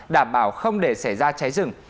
đảm bảo không để xảy ra cháy rừng